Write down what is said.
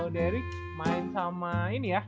dari main sama ini ya